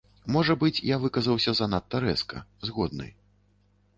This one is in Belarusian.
Можа быць, я выказаўся занадта рэзка, згодны.